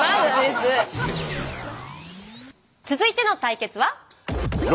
続いての対決は。